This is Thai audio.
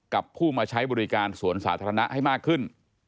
กับผู้มาใช้บริการสวนสาธารณะให้มากขึ้น